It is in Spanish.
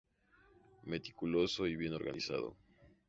Meticuloso y bien organizado.